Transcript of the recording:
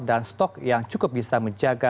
dan stok yang cukup bisa menjaga